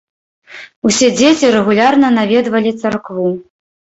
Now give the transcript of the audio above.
Усе дзеці рэгулярна наведвалі царкву.